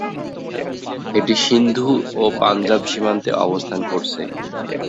এটি সিন্ধু ও পাঞ্জাব সীমান্তে অবস্থান করছে।